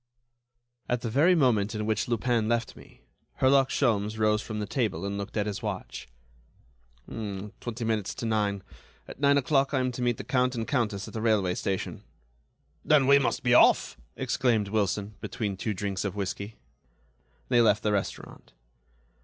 At the very moment in which Lupin left me, Herlock Sholmes rose from the table, and looked at his watch. "Twenty minutes to nine. At nine o'clock I am to meet the Count and Countess at the railway station." "Then, we must be off!" exclaimed Wilson, between two drinks of whisky. They left the restaurant.